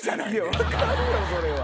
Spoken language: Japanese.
分かるよそれは。